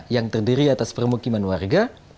yang terdiri atas permukiman warga